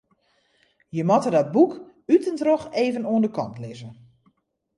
Je moatte dat boek út en troch even oan de kant lizze.